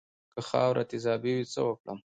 که خاوره تیزابي وي څه وکړم؟